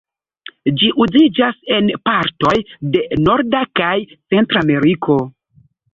Ĝi uziĝas en partoj de Norda kaj Centra Ameriko.